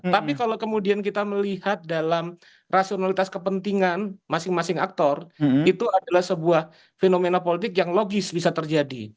tapi kalau kemudian kita melihat dalam rasionalitas kepentingan masing masing aktor itu adalah sebuah fenomena politik yang logis bisa terjadi